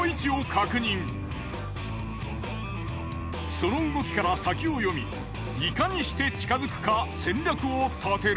その動きから先を読みいかにして近づくか戦略を立てる。